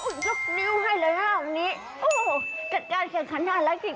อุ๊ยยยกนิ้วให้เลยน่าตรงนี้เออจัดการแข่งคลานน่ารักจริง